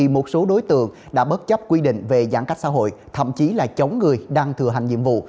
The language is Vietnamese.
một số đối tượng đã bất chấp quy định về giãn cách xã hội thậm chí là chống người đang thừa hành nhiệm vụ